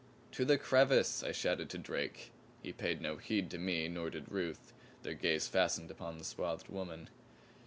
"To the crevice," I shouted to Drake. He paid no heed to me, nor did Ruth their gaze fastened upon the swathed woman.